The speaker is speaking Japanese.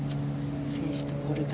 フェースとボールが。